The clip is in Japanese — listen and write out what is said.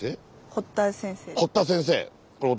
堀田先生。